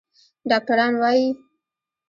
ډاکتران وايي